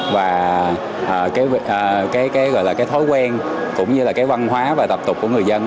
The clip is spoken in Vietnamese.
và cái thói quen cũng như là cái văn hóa và tập tục của người dân